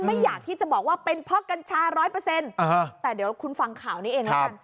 อยากที่จะบอกว่าเป็นเพราะกัญชาร้อยเปอร์เซ็นต์แต่เดี๋ยวคุณฟังข่าวนี้เองแล้วกัน